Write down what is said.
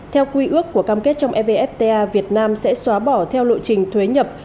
theo quy ước của cam kết trong evfta việt nam sẽ xóa bỏ theo lộ trình thuế nhập